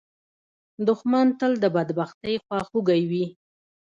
دښمن تل د بدبختۍ خواخوږی وي